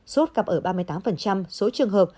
sốt gặp ở ba mươi tám số trường hợp